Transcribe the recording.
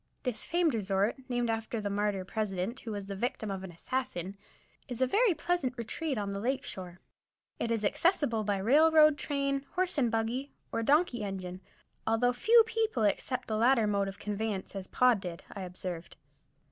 This famed resort, named after the martyr President who was the victim of an assassin, is a very pleasant retreat on the lake shore. It is accessible by railroad train, horse and buggy, or donkey engine, although few people accept the latter mode of conveyance, as Pod did, I observed.